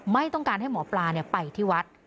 ไม่ต้องการให้หมอปลาไปที่วัด